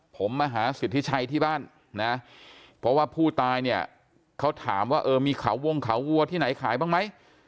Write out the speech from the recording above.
ผมมาหาสิทธิชัยที่บ้านนะเพราะว่าผู้ตายเนี่ยเขาถามว่าเออมีเขาวงเขาวัวที่ไหนขายบ้างไหม